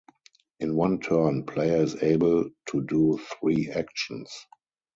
In one turn, player is able to do three actions.